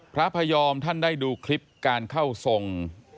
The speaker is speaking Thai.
พระพยอมท่านได้ดูคลิปการเข้าทรง